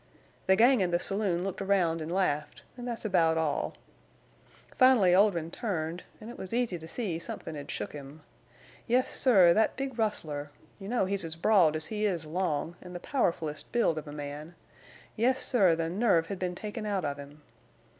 The gang in the saloon looked around an' laughed, an' thet's about all. Finally Oldrin' turned, and it was easy to see somethin' hed shook him. Yes, sir, thet big rustler—you know he's as broad as he is long, an' the powerfulest build of a man—yes, sir, the nerve had been taken out of him.